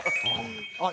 あっ！